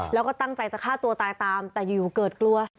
แล้วก็ตั้งใจจะฆ่าตัวตายตามแต่อยู่เกิดกลัว